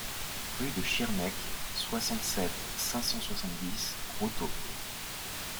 Rue de Schirmeck, soixante-sept, cinq cent soixante-dix Rothau